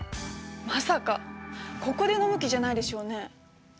まさかここで飲む気じゃないでしょうね。